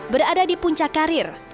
berada di puncak karir